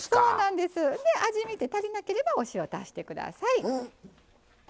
味を見て足りなければお塩を足してください。